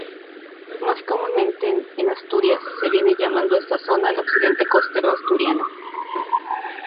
Más comúnmente, en Asturias, se viene llamando a esta zona el Occidente Costero Asturiano.